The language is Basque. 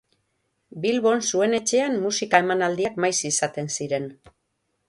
Bilbon zuen etxean musika emanaldiak maiz izaten ziren.